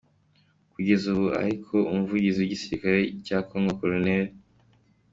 Kugeza ubu ariko Umuvugizi w’igisirikare cya Congo Col.